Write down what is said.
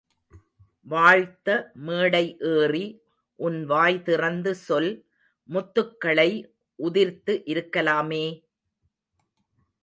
வாழ்த்த மேடை ஏறி உன் வாய்திறந்து சொல் முத்துக்களை உதிர்த்து இருக்கலாமே!